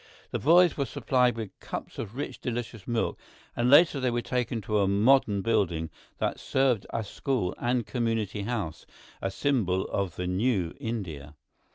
The boys were supplied with cups of rich, delicious milk, and later they were taken to a modern building that served as school and community house, a symbol of the new India.